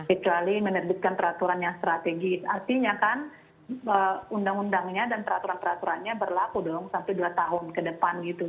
kecuali menerbitkan peraturannya strategi artinya kan undang undangnya dan peraturannya berlaku dong sampai dua tahun ke depan gitu